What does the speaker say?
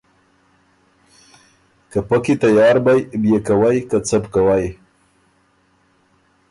که پۀ کی تیار بئ، بيې کوئ که څه بو کوئ۔